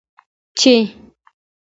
چې: